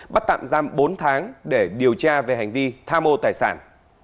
bắt tạm giam bốn tháng để điều tra về hành vi tha mô tài sản